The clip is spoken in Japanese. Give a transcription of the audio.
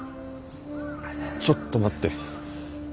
ちょっと待って。